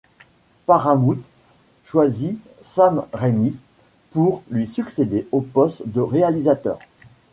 Paramount choisit Sam Raimi pour lui succéder au poste de réalisateur.